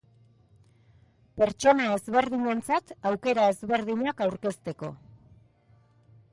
Pertsona ezberdinentzat aukera ezberdinak aurkezteko.